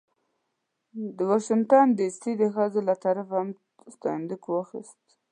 د واشنګټن ډې سي د ښځو له طرفه هم ستاینلیک واخیست.